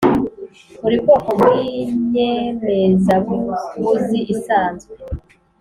buri bwoko bw inyemezabuguzi isanzwe